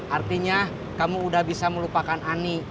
artinya kamu udah bisa melupakan ani